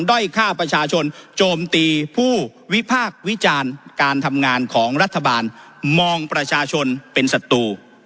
ด้อยฆ่าประชาชนโจมตีผู้วิพากษ์วิจารณ์การทำงานของรัฐบาลมองประชาชนเป็นศัตรู